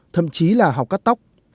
thậm chí là học cắt tóc